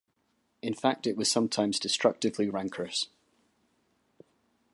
In fact it was sometimes destructively rancorous.